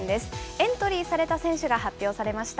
エントリーされた選手が発表されました。